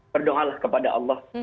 berdoa lah kepada allah